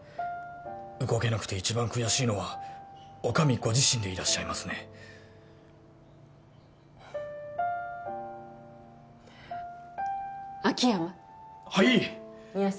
動けなくて一番悔しいのはお上ご自身でいらっしゃいますね秋山はい宮様